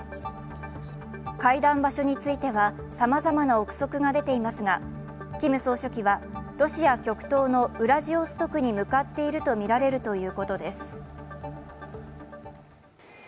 会談場所については、さまざまな憶測が出ていますが、キム総書記はロシア極東のウラジオストクに向かっているとみられるということです。